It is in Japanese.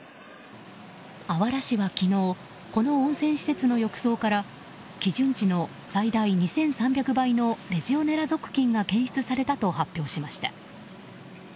あわら市は昨日この温泉施設の浴槽から基準値の最大２３００倍のレジオネラ属菌が検出されたと発表しました。